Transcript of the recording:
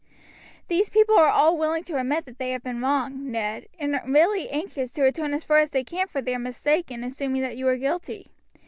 "These people are all willing to admit that they have been wrong, Ned, and really anxious to atone as far as they can for their mistake in assuming that you were guilty.